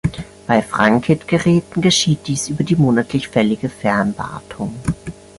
Bei Frankit-Geräten geschieht dies über die monatlich fällige Fernwartung.